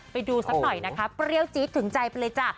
ไปดูสักหน่อยนะคะเปรี้ยวจี๊ดถึงใจไปเลยจ้ะ